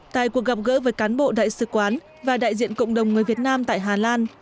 tại cuộc gặp gỡ với cán bộ đại sứ quán và đại diện cộng đồng người việt nam tại hà lan